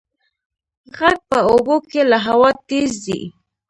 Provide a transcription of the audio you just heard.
غږ په اوبو کې له هوا تېز ځي.